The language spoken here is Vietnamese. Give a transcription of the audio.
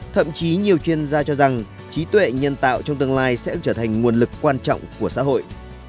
thậm chí nhiều chuyên gia cho rằng trí tuệ nhân tạo trong tương lai sẽ trở thành nguồn lực quan trọng của xã hội